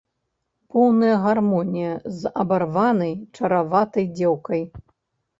Поўная гармонія з абарванай чараватай дзеўкай.